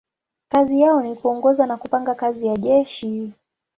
Kazi yao ni kuongoza na kupanga kazi ya jeshi.